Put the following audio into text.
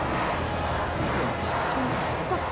バッティングすごかった。